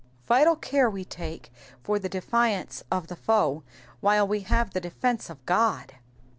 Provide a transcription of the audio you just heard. Little care we for the defiance of the foe while we have the defence of God.